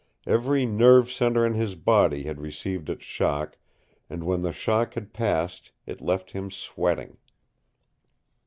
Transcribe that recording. Every nerve center in his body had received its shock, and when the shock had passed it left him sweating.